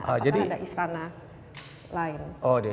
apakah ada istana lain